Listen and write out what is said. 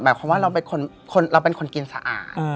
เพราะว่าเราเป็นคนกินสะอาด